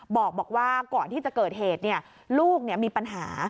บอกว่าก่อนที่จะเกิดเหตุลูกมีปัญหา